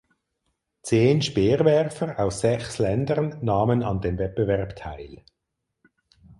Zehn Speerwerfer aus sechs Ländern nahmen an dem Wettbewerb teil.